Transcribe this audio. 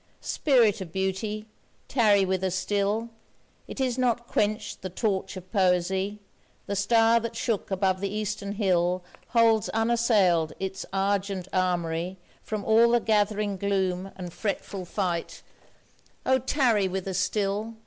Spirit of Beauty! tarry with us still, It is not quenched the torch of poesy, The star that shook above the Eastern hill Holds unassailed its argent armoury From all the gathering gloom and fretful fight— O tarry with us still!